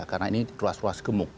karena ini ruas ruas gemuk